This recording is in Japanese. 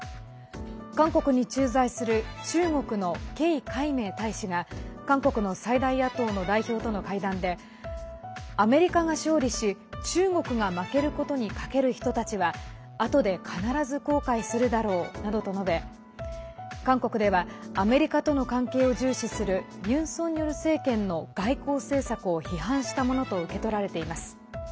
韓国に駐在する中国のケイ海明大使が韓国の最大野党の代表との会談でアメリカが勝利し中国が負けることに賭ける人たちはあとで必ず後悔するだろうなどと述べ韓国ではアメリカとの関係を重視するユン・ソンニョル政権の外交政策を批判したものと受け取られています。